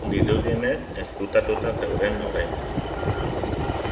Dirudienez, ezkutatuta zeuden oraindik.